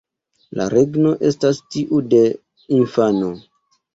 La regno estas tiu de infano"".